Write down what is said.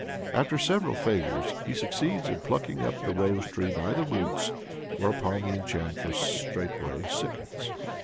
After several failures, he succeeds in plucking up the rose tree by the roots, whereupon the enchantress straightway sickens.